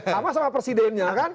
sama sama presidennya kan